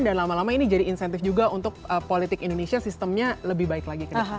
dan lama lama ini jadi insentif juga untuk politik indonesia sistemnya lebih baik lagi